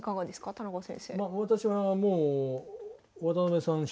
田中先生。